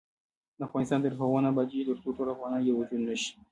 افغانستان تر هغو نه ابادیږي، ترڅو ټول افغانان یو وجود نشي.